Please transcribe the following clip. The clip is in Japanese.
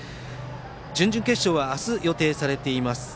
準々決勝は明日、予定されています。